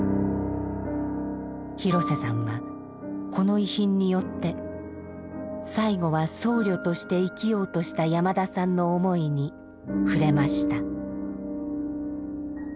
廣瀬さんはこの遺品によって最後は僧侶として生きようとした山田さんの思いに触れました。